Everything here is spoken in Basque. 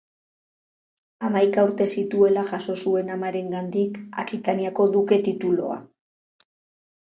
Hamaika urte zituela jaso zuen amarengandik Akitaniako duke titulua.